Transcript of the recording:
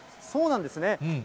そうなんですね。